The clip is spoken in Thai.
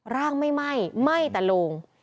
ร่างไม่ไหม้ไหม้แต่โลง